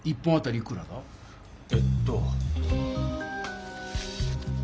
えっと。